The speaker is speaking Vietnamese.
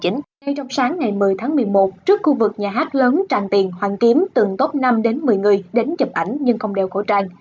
ngay trong sáng ngày một mươi tháng một mươi một trước khu vực nhà hát lớn tràng tiền hoàn kiếm từng top năm đến một mươi người đến chụp ảnh nhưng không đeo khẩu trang